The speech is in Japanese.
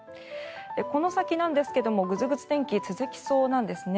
この先ですがぐずぐず天気が続きそうなんですね。